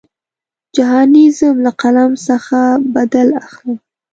جهاني ځم له قلم څخه بدل اخلم.